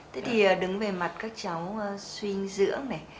thế thì đứng về mặt các cháu suy dưỡng này